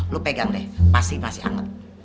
lu pegang deh pasti masih hangat